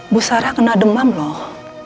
bu sarah kena demam loh